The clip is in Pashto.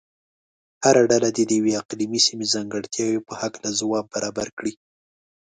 هره ډله دې د یوې اقلیمي سیمې ځانګړتیا په هلکه ځواب برابر کړي.